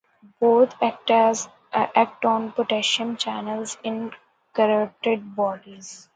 Both act on potassium channels in Carotid Bodies.